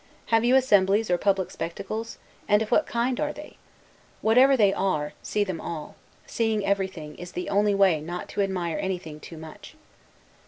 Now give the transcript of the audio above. Have you assemblies, or public spectacles? and of what kind are they? Whatever they are, see them all; seeing everything, is the only way not to admire anything too much.